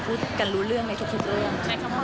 พูดกันรู้เรื่องในทุกเรื่อง